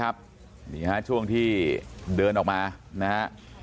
นี่ฮะช่วงที่เดินออกมานะฮะ